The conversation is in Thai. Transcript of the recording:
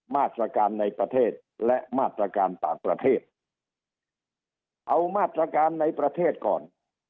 มาตรการในประเทศและมาตรการต่างประเทศเอามาตรการในประเทศก่อน